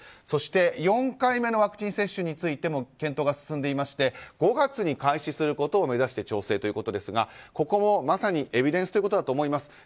そして４回目のワクチン接種についても検討が進んでいて５月に開始することを目指して調整ということですがここも、まさにエビデンスということだと思います。